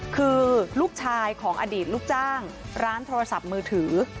คือลูกชายของอดีตลูกจ้างร้านโทรศัพท์มือถือ